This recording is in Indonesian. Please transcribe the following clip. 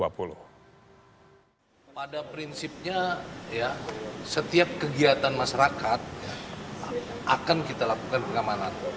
pada prinsipnya setiap kegiatan masyarakat akan kita lakukan pengamanan